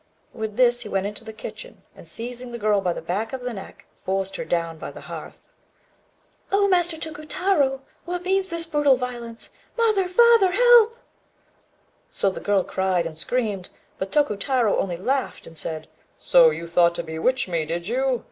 With this he went into the kitchen, and, seizing the girl by the back of the neck, forced her down by the hearth. "Oh! Master Tokutarô, what means this brutal violence? Mother! father! help!" So the girl cried and screamed; but Tokutarô only laughed, and said "So you thought to bewitch me, did you?